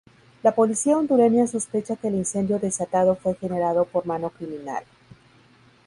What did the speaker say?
La policía hondureña sospecha que el incendio desatado fue generado por mano criminal.